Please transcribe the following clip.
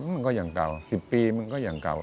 มันก็อย่างเก่า๑๐ปีมันก็อย่างเก่า